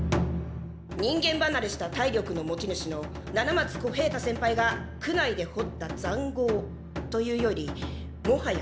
人間ばなれした体力の持ち主の七松小平太先輩が苦無でほったざんごうというよりもはや地下通路！